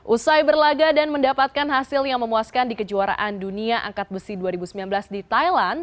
usai berlaga dan mendapatkan hasil yang memuaskan di kejuaraan dunia angkat besi dua ribu sembilan belas di thailand